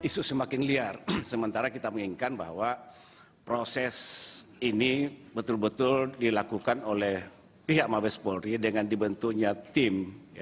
isu semakin liar sementara kita menginginkan bahwa proses ini betul betul dilakukan oleh pihak mabes polri dengan dibentuknya tim